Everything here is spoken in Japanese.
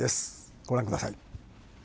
ご覧ください。